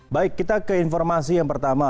baik kita ke informasi yang pertama